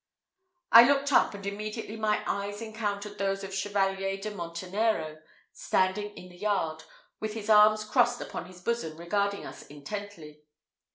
I looked up, and immediately my eyes encountered those of Chevalier de Montenero, standing in the yard, with his arms crossed upon his bosom, regarding us intently.